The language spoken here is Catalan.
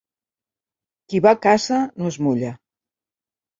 Qui va a casa no es mulla.